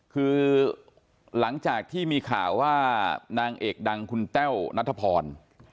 คือหลังจากที่มีข่าวว่านางเอกดังคุณแต้วนัทพร